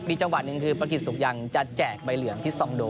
จังหวะหนึ่งคือประกิจสุขยังจะแจกใบเหลืองที่สตองโด